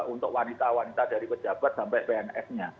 untuk wanita wanita dari pejabat sampai pns nya